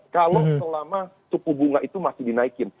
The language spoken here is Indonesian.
kalau selama suku bunga itu masih dinaikin